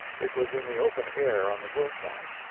It was in the open air on the hillside.